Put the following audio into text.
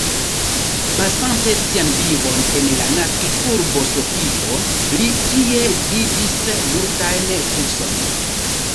Pasante sian vivon en la naskiĝurbo Sofio, li tie gvidis multajn kursojn.